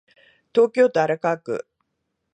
東京都荒川区